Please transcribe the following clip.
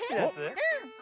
うん。